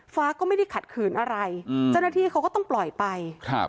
ฟ้าก็ไม่ได้ขัดขืนอะไรอืมเจ้าหน้าที่เขาก็ต้องปล่อยไปครับ